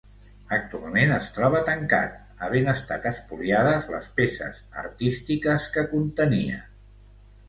Actualment es troba tancat, havent estat espoliades les peces artístiques que contenia.